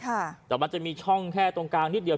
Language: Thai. แต่มันจะมีช่องแค่ตรงกลางนิดเดียว